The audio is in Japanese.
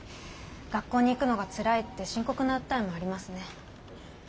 学校に行くのがつらいって深刻な訴えもありますね。